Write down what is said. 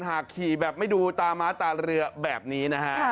หากขี่แบบไม่ดูตาม้าตาเรือแบบนี้นะฮะ